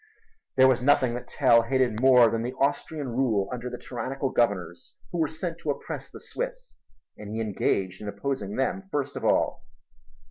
There was nothing that Tell hated more than the Austrian rule under the tyrannical governors who were sent to oppress the Swiss, and he engaged in opposing them first of all.